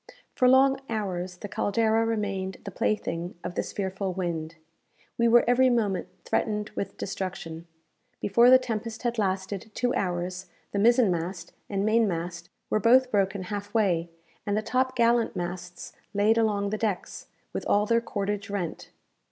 For long hours the "Caldera" remained the plaything of this fearful wind. We were every moment threatened with destruction. Before the tempest had lasted two hours the mizen mast and main mast were both broken half way, and the top gallant masts laid along the decks, with all their cordage rent.